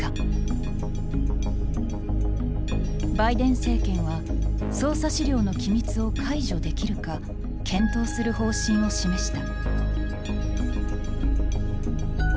バイデン政権は捜査資料の機密を解除できるか検討する方針を示した。